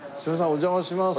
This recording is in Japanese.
お邪魔します。